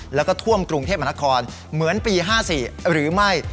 แล้วก็ท่วมกรุงเทพมนาคมเหมือนปี๕๔หรือไม่